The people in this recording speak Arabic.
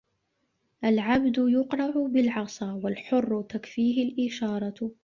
العبد يقرع بالعصا والحر تكفيه الإشارة